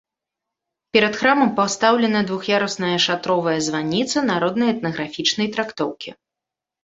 Перад храмам пастаўлена двух'ярусная шатровая званіца народна-этнаграфічнай трактоўкі.